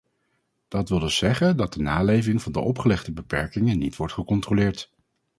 Dat wil dus zeggen dat de naleving van de opgelegde beperkingen niet wordt gecontroleerd.